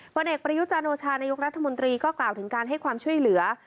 ผลเอกประยุจันโอชานายกรัฐมนตรีก็กล่าวถึงการให้ความช่วยเหลือ